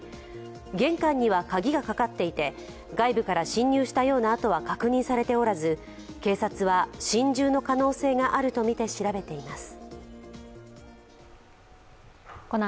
玄関には鍵がかかっていて外部から侵入したような跡は確認されておらず、警察は心中の可能性があるとみて調べています。